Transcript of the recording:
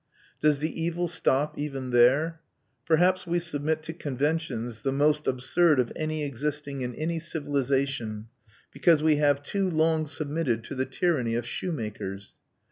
Does the evil stop even there? Perhaps we submit to conventions the most absurd of any existing in any civilization because we have too long submitted to the tyranny of shoemakers.